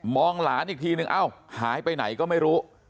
หลานอีกทีนึงเอ้าหายไปไหนก็ไม่รู้